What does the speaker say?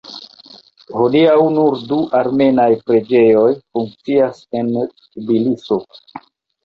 Hodiaŭ nur du armenaj preĝejoj funkcias en Tbiliso.